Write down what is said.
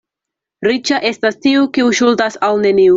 Riĉa estas tiu, kiu ŝuldas al neniu.